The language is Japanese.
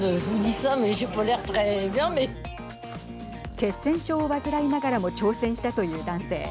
血栓症を患いながらも挑戦したという男性。